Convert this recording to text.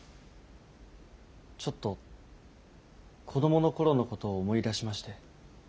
ちょっと子どものころのことを思い出しまして。